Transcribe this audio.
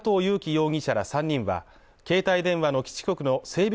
容疑者ら３人は携帯電話の基地局の整備